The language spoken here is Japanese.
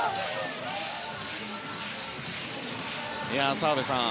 澤部さん